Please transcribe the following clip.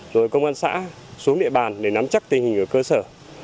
rồi công an xã xuống địa bàn để nắm chắc tình hình ở cơ sở